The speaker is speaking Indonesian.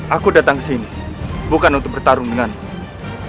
aku datang kesini bukan untuk bertarung denganmu